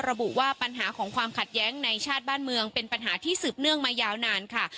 ระบุว่าปัญหาของความขัดแย้งในชาติบ้านเมืองเป็นปัญหาที่สืบเนื่องมายาวนานค่ะ